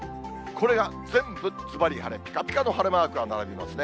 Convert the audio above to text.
これが全部ずばり晴れ、ぴかぴかの晴れマークが並びますね。